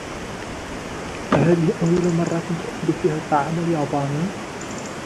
أهذه أول مرة تأكل فيها الطعام الياباني ؟